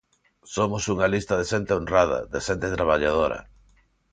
Somos unha lista de xente honrada, de xente traballadora.